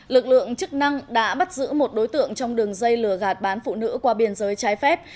lực lượng chức năng đã bắt giữ một đối tượng trong đường dây lừa gạt bán phụ nữ qua biên giới trái phép